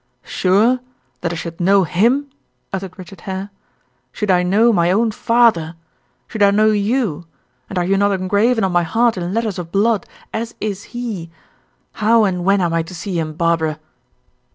"Sure! That I should know him?" uttered Richard Hare. "Should I know my own father? Should I know you? And are you not engraven on my heart in letters of blood, as is he? How and when am I to see him, Barbara?"